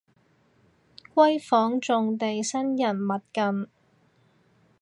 閨房重地生人勿近